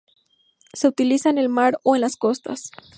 Se utilizan en la mar o en sus costas.